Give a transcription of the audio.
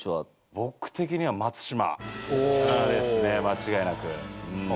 僕的には松島ですね間違いなく。